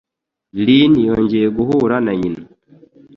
Rhyn yongeye guhura na nyina.